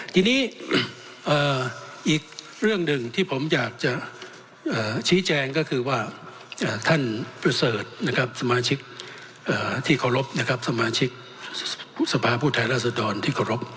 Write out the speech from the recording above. ทีนี้อีกเรื่องหนึ่งที่ผมอยากจะชี้แจงก็คือว่าท่านประเสริฐนะครับสมาชิกที่เคารพนะครับสมาชิกสภาพผู้แทนราษฎรที่เคารพ